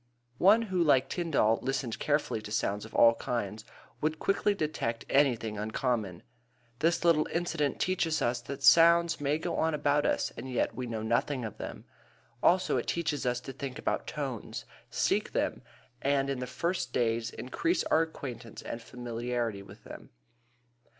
One who like Tyndall listened carefully to sounds of all kinds would quickly detect anything uncommon. This little incident teaches us that sounds may go on about us and yet we know nothing of them. Also it teaches us to think about tones, seek them, and in the first days increase our acquaintance and familiarity with them.